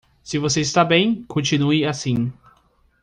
Se você está bem, continue assim.